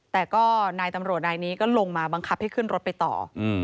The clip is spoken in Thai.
แต่ก็นายตำรวจนายนี้ก็ลงมาบังคับให้ขึ้นรถไปต่อ